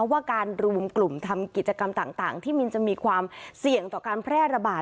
ว่าการรวมกลุ่มทำกิจกรรมต่างที่มันจะมีความเสี่ยงต่อการแพร่ระบาด